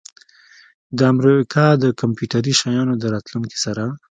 د امریکا د کمپیوټري شیانو د راتلونکي سره